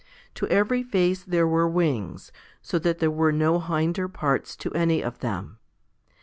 To every face there were wings, so that there were no hinder parts to any of them.